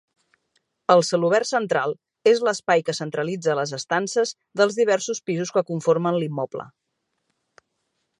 El celobert central és l'espai que centralitza les estances dels diversos pisos que conformen l'immoble.